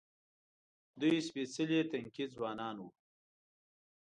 دوی سپېڅلي تنکي ځوانان وو.